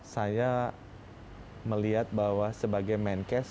saya melihat bahwa sebagai menkes